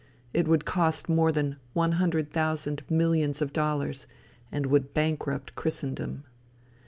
It would cost more than one hundred thousand millions of dollars, and would bankrupt Christendom.